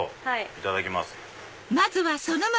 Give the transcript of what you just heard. いただきます。